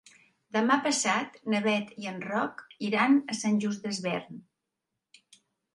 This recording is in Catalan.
Demà passat na Bet i en Roc iran a Sant Just Desvern.